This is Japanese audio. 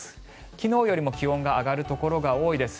昨日よりも気温が上がるところが多いです。